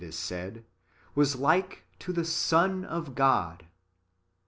is said, "was like to the Son of God."